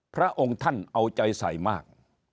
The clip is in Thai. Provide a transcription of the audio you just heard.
พระองค์ท่านเอาใจใส่มาก